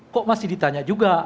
kok masih ditanya juga